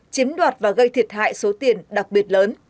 chiếm đoạt và gây thiệt hại số tiền đặc biệt lớn